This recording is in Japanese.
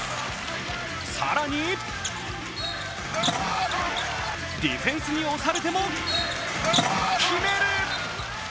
更にディフェンスに押されても決める。